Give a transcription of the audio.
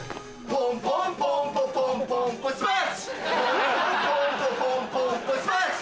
ポンポンポンポポンポンポスマッシュ